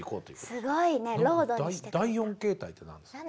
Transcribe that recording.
第４形態って何ですか？